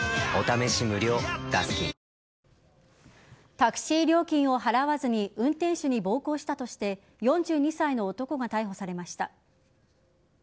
タクシー料金を払わずに運転手に暴行したとして４２歳の男が逮捕されました。